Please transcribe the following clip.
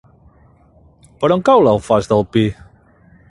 Per on cau l'Alfàs del Pi?